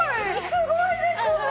すごいです！